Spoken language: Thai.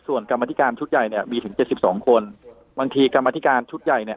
ส่วนกรรมธิการชุดใหญ่เนี่ยมีถึงเจ็ดสิบสองคนบางทีกรรมธิการชุดใหญ่เนี่ย